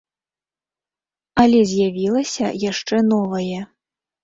Але з'явілася яшчэ новае.